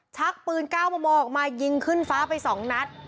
ชักปืนก้าวโมโมออกมายิงขึ้นฟ้าไปสองนัด